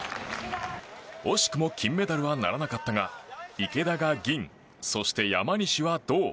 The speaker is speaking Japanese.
惜しくも金メダルはならなかったが池田が銀そして山西は銅。